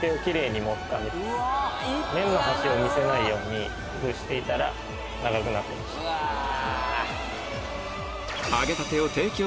麺の端を見せないように工夫していたら長くなってました。